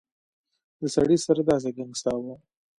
د سړي سر داسې ګنګساوه.